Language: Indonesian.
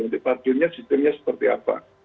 jadi parkirnya situnya seperti apa